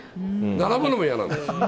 並ぶのも嫌なんです。